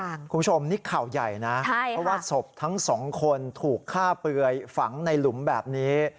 คุณผู้ชมนี่ข่าวใหญ่นะเพราะว่าศพทั้งสองคนถูกฆ่าเปลือยฝังในหลุมแบบนี้